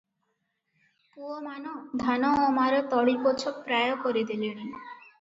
ପୁଅମାନ ଧାନଅମାର ତଳିପୋଛ ପ୍ରାୟ କରିଦେଲେଣି ।